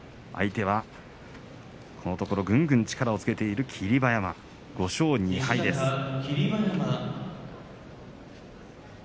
相手はこのところぐんぐん力をつけている霧馬山５勝２敗です。